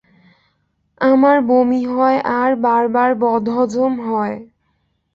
আমার বমি হয় আর বারবার বদহজম হয়।